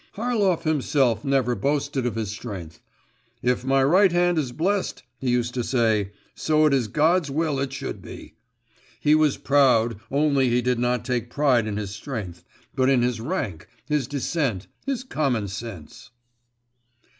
Harlov himself never boasted of his strength. 'If my right hand is blessed,' he used to say, 'so it is God's will it should be!' He was proud, only he did not take pride in his strength, but in his rank, his descent, his common sense.